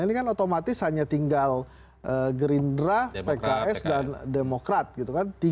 ini kan otomatis hanya tinggal gerindra pks dan demokrat gitu kan